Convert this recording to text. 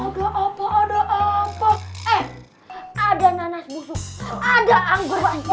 eh ada nanas busuk